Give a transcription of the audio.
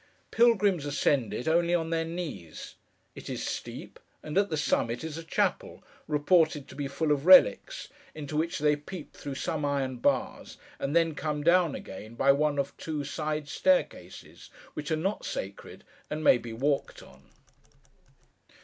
Pilgrims ascend it, only on their knees. It is steep; and, at the summit, is a chapel, reported to be full of relics; into which they peep through some iron bars, and then come down again, by one of two side staircases, which are not sacred, and may be walked on.